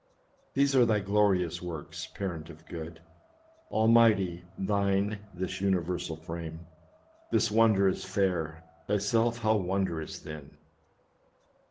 241 "' These are thy glorious works, parent of good, Almighty, thine this universal frame, Thus wondrous fair : thyself how wondrous then